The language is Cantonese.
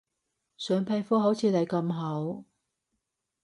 想皮膚好似你咁好